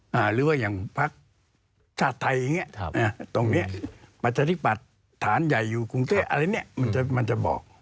หรือว่าอย่างภาคชาติไทยอย่างนี้ตรงนี้ปรัชธิปรัชฐานใหญ่อยู่กรุงเทศอะไรนี้มันจะบอก